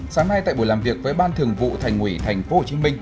sáng nay tại buổi làm việc với ban thường vụ thành ủy tp hcm